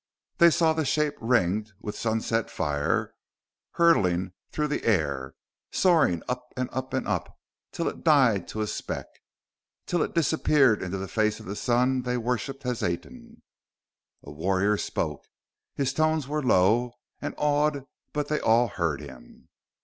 They saw the shape ringed with sunset fire hurtling through the air, soaring up and up and up ... till it died to a speck ... till it disappeared into the face of the sun they worshipped as Aten.... A warrior spoke. His tones were low and awed but they all heard him.